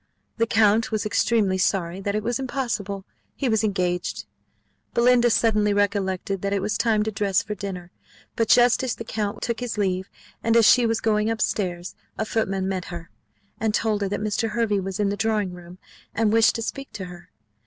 The count was extremely sorry that it was impossible he was engaged. Belinda suddenly recollected that it was time to dress for dinner; but just as the count took his leave, and as she was going up stairs, a footman met her, and told her that Mr. Hervey was in the drawing room, and wished to speak to her.